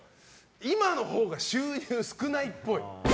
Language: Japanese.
今の方が収入少ないっぽい。